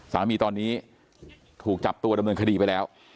สามีตอนนี้ถูกจับตัวดำเนินคดีไปแล้ว